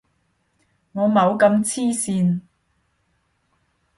我冇咁黐線